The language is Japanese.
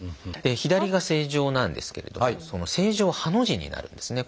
左が正常なんですけれども正常はハの字になるんですね。